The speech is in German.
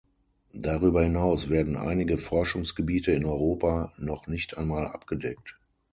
Darüber hinaus werden einige Forschungsgebiete in Europa noch nicht einmal abgedeckt.